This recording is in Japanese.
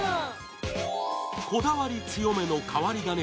こだわり強めの変わりだね